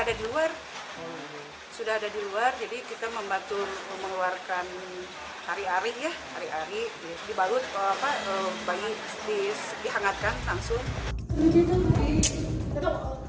bayi sudah ada di luar jadi kita membantu mengeluarkan hari hari dibalut dihangatkan langsung